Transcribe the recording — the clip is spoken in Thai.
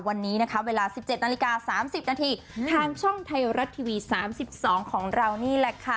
วันนี้นะคะเวลา๑๗นาฬิกา๓๐นาทีทางช่องไทยรัฐทีวี๓๒ของเรานี่แหละค่ะ